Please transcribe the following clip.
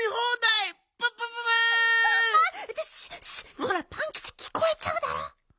こらパンキチきこえちゃうだろ！